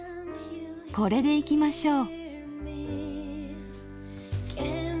これでいきましょう。